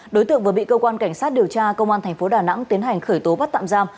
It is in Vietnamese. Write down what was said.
đối tượng vừa bị cơ quan cảnh sát điều tra công an thành phố đà nẵng tiến hành khởi tố bắt tạm giam